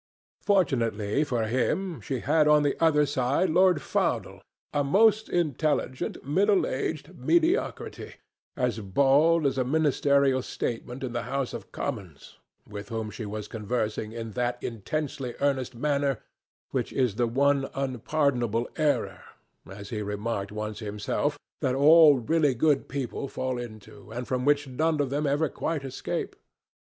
Fortunately for him she had on the other side Lord Faudel, a most intelligent middle aged mediocrity, as bald as a ministerial statement in the House of Commons, with whom she was conversing in that intensely earnest manner which is the one unpardonable error, as he remarked once himself, that all really good people fall into, and from which none of them ever quite escape.